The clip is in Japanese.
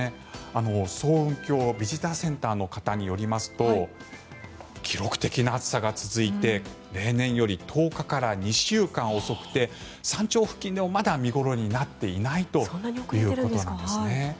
層雲峡ビジターセンターの方によりますと記録的な暑さが続いて例年より１０日から２週間遅くて山頂付近でもまだ見頃になっていないということなんですね。